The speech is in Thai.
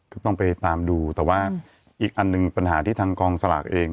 ก็ต้องไปตามดูแต่ว่าอีกอันหนึ่งปัญหาที่ทางกองสลากเอง